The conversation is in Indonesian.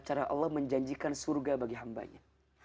cara allah menjanjikan surga bagi hambanya